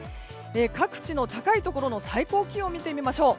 各地の高いところの最高気温を見てみましょう。